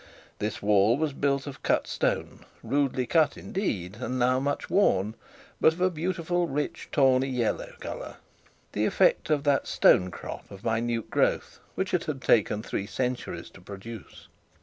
This was built of cut stone, rudely cut indeed, and now much worn, but of a beautiful rich tawny yellow colour, the effect of that stonecrop of minute growth, which it had taken three centuries to produce.